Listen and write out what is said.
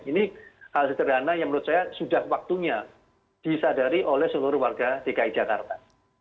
ini hal sederhana yang menurut saya sudah waktunya disadari oleh seluruh warga dki jakarta